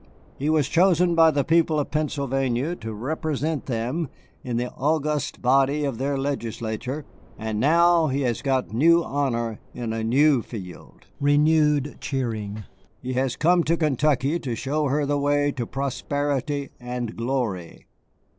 He was chosen by the people of Pennsylvania to represent them in the august body of their legislature, and now he has got new honor in a new field [renewed cheering]. He has come to Kentucky to show her the way to prosperity and glory.